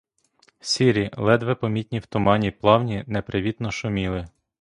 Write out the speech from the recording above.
Сірі, ледве помітні в тумані плавні непривітно шуміли.